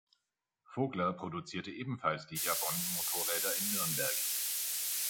Vogler produzierte ebenfalls die Javon-Motorräder in Nürnberg.